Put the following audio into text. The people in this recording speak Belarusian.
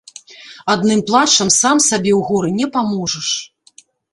Адным плачам сам сабе ў горы не паможаш.